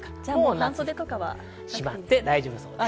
半袖はしまって大丈夫です。